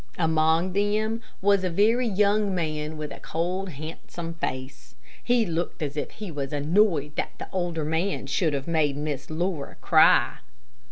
Among them, was a very young man, with a cold, handsome face. He looked as if he was annoyed that the older man should have made Miss Laura cry.